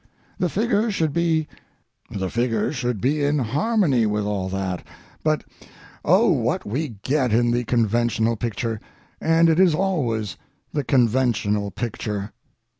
The figure should be—the figure should be in harmony with all that, but, oh, what we get in the conventional picture, and it is always the conventional picture!